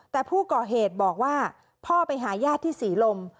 แต่ผู้ก่อเหตุบอกว่าพ่อไปหาญาติที่ศรีลม